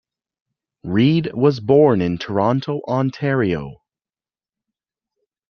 Reid was born in Toronto, Ontario.